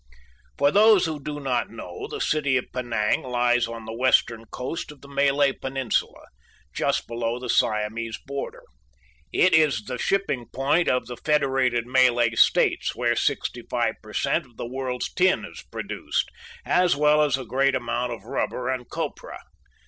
For those who do not know, the City of Penang lies on the western coast of the Malay Peninsula, just below the Siamese border. It is the shipping point of the Federated Malay States, where 65 per cent. of the world's tin is produced, as well as a great amount of rubber and copra.